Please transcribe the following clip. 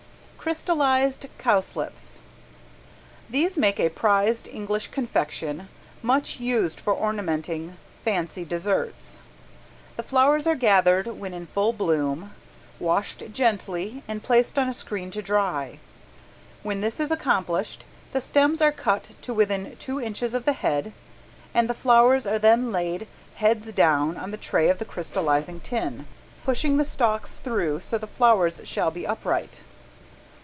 ~CRYSTALLIZED COWSLIPS~ These make a prized English confection, much used for ornamenting fancy desserts. The flowers are gathered when in full bloom, washed gently and placed on a screen to dry. When this is accomplished the stems are cut to within two inches of the head and the flowers are then laid heads down on the tray of the crystallizing tin, pushing the stalks through so the flowers shall be upright.